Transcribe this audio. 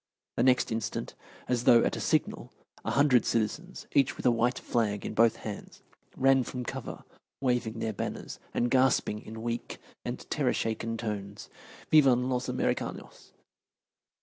The next instant, as though at a signal, a hundred citizens, each with a white flag in both hands, ran from cover, waving their banners, and gasping in weak and terror shaken tones, "Vivan los Americanos."